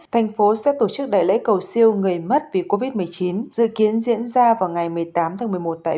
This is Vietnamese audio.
thành phố sẽ tổ chức đại lễ cầu siêu người mất vì covid một mươi chín dự kiến diễn ra vào ngày một mươi tám tháng một mươi một tại